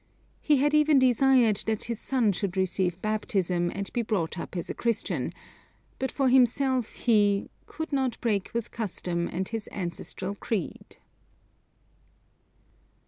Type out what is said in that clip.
He had even desired that his son should receive baptism and be brought up as a Christian, but for himself he 'could not break with custom and his ancestral creed.'